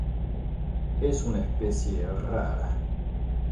Es una especie rara.